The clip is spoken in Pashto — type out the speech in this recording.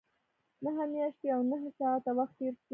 نهه میاشتې او نهه ساعته وخت تېر شو.